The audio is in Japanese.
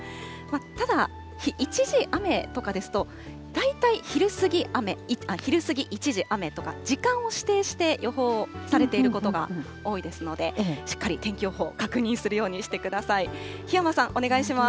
ただ、一時雨とかですと、大体昼過ぎ、一時雨とか、時間を指定して予報されていることが多いですので、しっかり天気予報、確認するようにしてください。